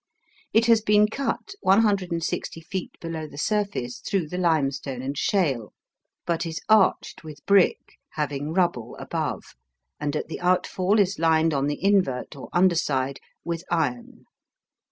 It has been cut 160 feet below the surface through the limestone and shale, but is arched with brick, having rubble above, and at the outfall is lined on the invert or under side with iron.